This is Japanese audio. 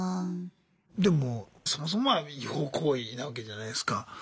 でもそもそもが違法行為なわけじゃないすか。